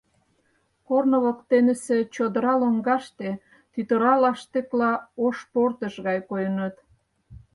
Корно воктенысе чодыра лоҥгаште тӱтыра лаштыкла ош портыш гай койыныт.